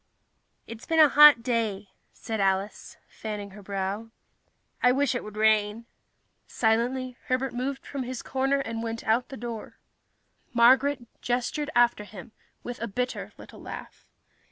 "It's been a hot day," said Alice, fanning her brow. "I wish it would rain." Silently, Herbert moved from his corner and went out the door. Marguerite gestured after him with a bitter little laugh.